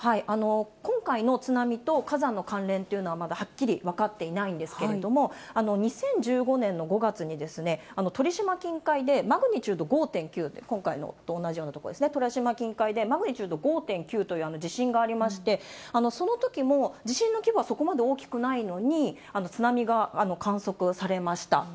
今回の津波と火山の関連っていうのはまだはっきり分かっていないんですけれども、２０１５年の５月に、鳥島近海でマグニチュード５．９という、今回と同じような所ですね、鳥島近海で、マグニチュード５．９という地震がありまして、そのときも地震の規模はそこまで大きくないのに、津波が観測されました。